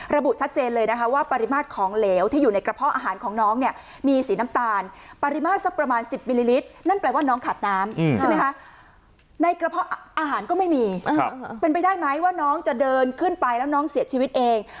ระบุชัดเจนเลยนะคะว่าปริมาตรของเหลวที่อยู่ในกระเพาะอาหารของน้องเนี่ยมีสีน้ำตาลปริมาตรสักประมาณ๑๐มิลลิลิตรนั่นแปลว่าน้องขาดน้ำใช่ไหมคะในกระเพาะอาหารก็ไม่มีเป็นไปได้ไหมว่าน้องจะเดินขึ้นไปแล้วน้องเสียชีวิตเอง